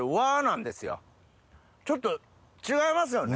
ちょっと違いますよね？